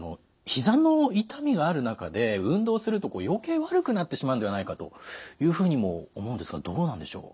ひざの痛みがある中で運動すると余計悪くなってしまうんではないかというふうにも思うんですがどうなんでしょう？